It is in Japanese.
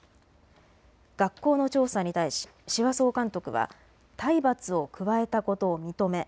学校の調査に対し志波総監督は体罰を加えたことを認め